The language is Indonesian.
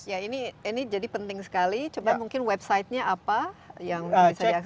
ya ini jadi penting sekali coba mungkin websitenya apa yang bisa diakse